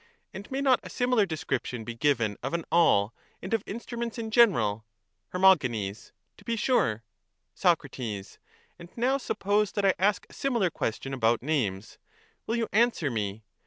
And may not a similar description be given of an awl, and of instruments in general? Her. To be sure. Soc. And now suppose that I ask a similar question about names: will you answer me?